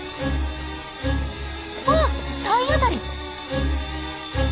わあ体当たり！